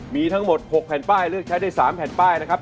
มีทั้งหมด๖แผ่นป้ายเลือกใช้ได้๓แผ่นป้ายนะครับ